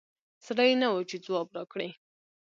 زړه یي نه وو چې ځواب راکړي